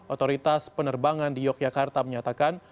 otoritas penerbangan di yogyakarta menyatakan